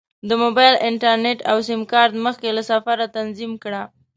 د موبایل انټرنیټ او سیم کارت مخکې له سفره تنظیم کړه.